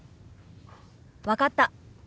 分かった。